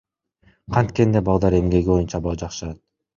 Канткенде балдар эмгеги боюнча абал жакшырат?